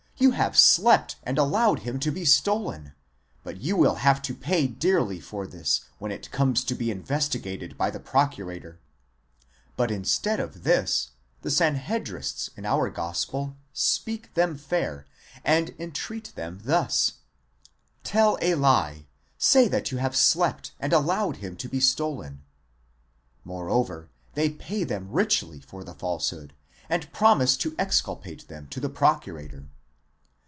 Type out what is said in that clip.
you have slept and allowed him to be stolen; but you will have to pay dearly for this, when it.comes to be investigated by the procurator. But instead of this, the Sanhedrists in our gospel speak them fair, and entreat them thus: Yell a lie, say that you have slept and allowed him to be stolen: moreover, they pay them richly for the falsehood, and promise to exculpate them to the procurator.